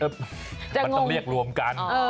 มันต้องเรียกรวมกัน